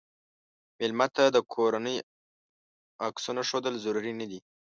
مېلمه ته د کورنۍ عکسونه ښودل ضرور نه دي.